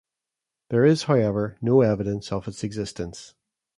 There is however no evidence of its existence.